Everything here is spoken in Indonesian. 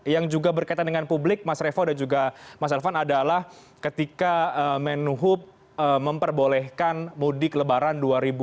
yang juga berkaitan dengan publik mas revo dan juga mas elvan adalah ketika menuhub memperbolehkan mudik lebaran dua ribu dua puluh